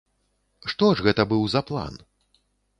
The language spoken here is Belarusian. Што ж гэта быў за план?